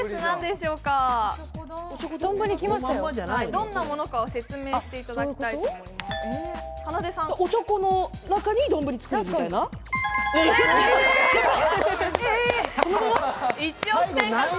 どんなものかを説明していただきたいと思います。